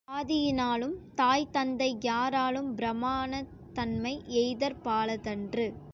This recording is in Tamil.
சாதியினாலும் தாய் தந்தை யாராலும் பிராமணத் தன்மை எய்தற் பாலதன்று.